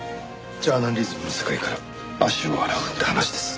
ジャーナリズムの世界から足を洗うって話です。